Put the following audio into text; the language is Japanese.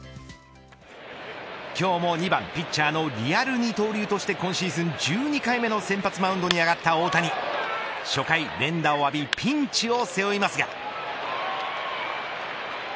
今日も２番ピッチャーのリアル二刀流として今シーズン１２回目の先発マウンドに上がった大谷初回、連打を浴びピンチを背負いますが。